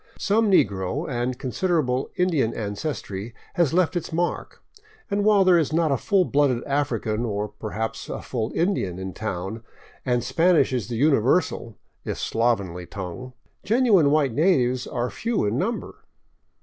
Some negro and considerable Indian ancestry has left its mark, and while there is not a full blooded African, or perhaps a full Indian, in town, and Spanish is the universal, if slovenly, tongue, genuine white natives are few in number.